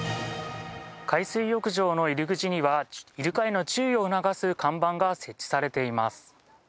海水浴場の入り口には、イルカへの注意を促す看板が設置されています。